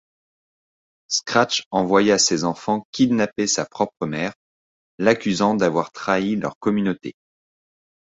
Scratch envoya ses enfants kidnapper sa propre mère, l'accusant d'avoir trahi leur communauté.